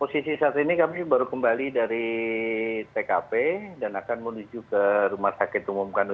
posisi saat ini kami baru kembali dari tkp dan akan menuju ke rumah sakit umum kandida